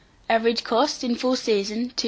Average cost, in full season, 2s.